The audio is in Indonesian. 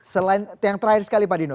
selain yang terakhir sekali pak dino